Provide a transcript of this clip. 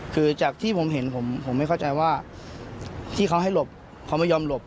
คือจากที่ผมเห็นผมไม่เข้าใจว่าที่เขาให้หลบเขาไม่ยอมหลบ